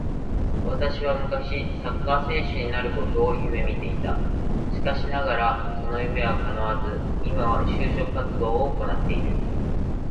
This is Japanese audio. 私は昔サッカー選手になることを夢見ていた。しかしながらその夢は叶わず、今は就職活動を行っている